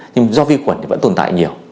nhưng do vi khuẩn thì vẫn tồn tại nhiều